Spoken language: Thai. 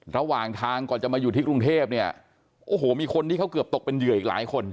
ระหว่างทางก่อนจะมาอยู่ที่กรุงเทพเนี่ยโอ้โหมีคนที่เขาเกือบตกเป็นเหยื่ออีกหลายคน